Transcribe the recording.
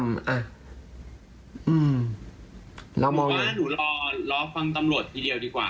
เรามองเลยผมว่าหนูรอฟังตำรวจทีเดียวดีกว่า